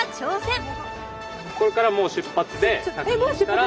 これからもう出発で確認したら。